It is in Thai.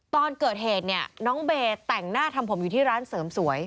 ตอนเกิดเหตุเนี่ยน้องเบย์แต่งหน้าทำผมอยู่ที่ร้านเสริมสวย